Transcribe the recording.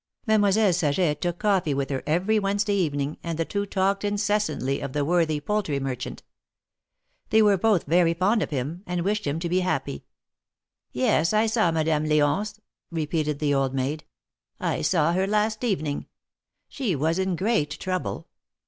Mademoiselle Saget took coffee with her every Wednesday evening, and the two talked incessantly of the worthy poultry merchant. They were both very fond of him, and wished him to be happy. Yes, I saw Madame L4once," repeated the old maid. saw her last evening. She was in great trouble.